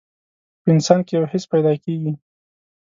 په انسان کې يو حس پيدا کېږي.